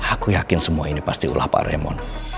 aku yakin semua ini pasti ulah pak remon